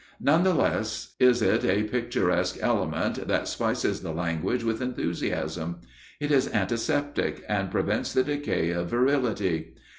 None the less is it a picturesque element that spices the language with enthusiasm. It is antiseptic and prevents the decay of virility.